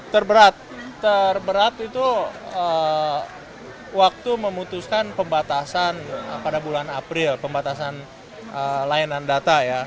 terberat terberat itu waktu memutuskan pembatasan pada bulan april pembatasan layanan data ya